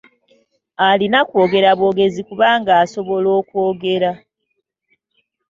Alina kwogera bwogezi kubanga asobola okwogera.